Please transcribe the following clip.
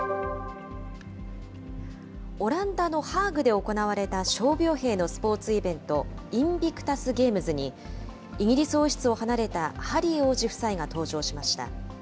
オランダのハーグで行われた傷病兵のスポーツイベント、インビクタス・ゲームズに、イギリス王室を離れたハリー王子夫妻が登場しました。